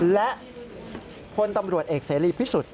และพลตำรวจเอกเสรีพิสุทธิ์